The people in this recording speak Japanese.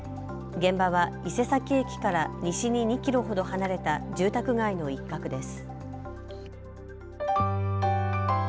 現場は伊勢崎駅から西に２キロほど離れた住宅街の一角です。